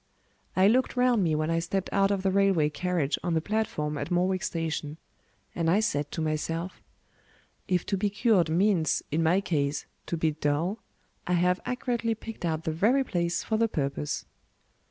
I looked round me when I stepped out of the railway carriage on the platform at Morwick Station; and I said to myself, "If to be cured means, in my case, to be dull, I have accurately picked out the very place for the purpose."